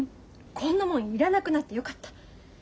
こんなもん要らなくなってよかった。